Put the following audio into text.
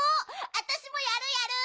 あたしもやるやる。